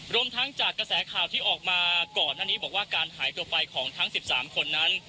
รวมทั้งจากกระแสข่าวที่ออกมาก่อนหน้านี้บอกว่าการหายตัวไปของทั้ง๑๓คนนั้น